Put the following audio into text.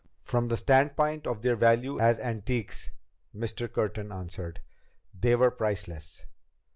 "From the standpoint of their value as antiques," Mr. Curtin answered, "they were priceless.